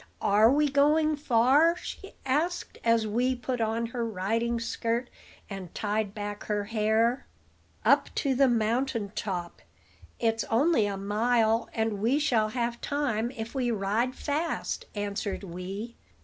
"Are we going far?" she asked, as Wee put on her riding skirt, and tied back her hair. "Up to the mountain top: it's only a mile; and we shall have time, if we ride fast," answered Wee.